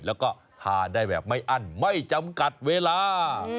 แล้วก็ทานได้แบบไม่อั้นไม่จำกัดเวลา